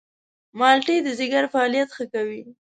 مالټې د ځيګر فعالیت ښه کوي.